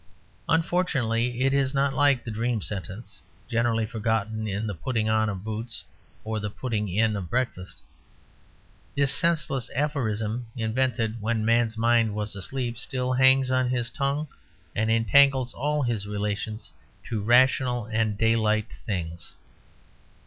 Unfortunately it is not like the dream sentence, generally forgotten in the putting on of boots or the putting in of breakfast. This senseless aphorism, invented when man's mind was asleep, still hangs on his tongue and entangles all his relations to rational and daylight things.